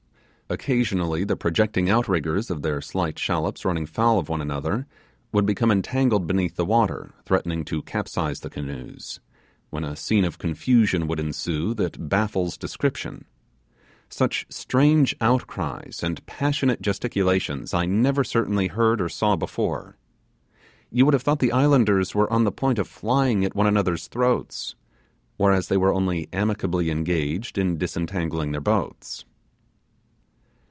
Occasionally the projecting out riggers of their slight shallops running foul of one another, would become entangled beneath the water, threatening to capsize the canoes, when a scene of confusion would ensue that baffles description. Such strange outcries and passionate gesticulations I never certainly heard or saw before. You would have thought the islanders were on the point of flying at each other's throats, whereas they were only amicably engaged in disentangling their boats.